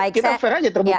kita fair aja terbuka